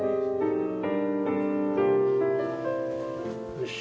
よし。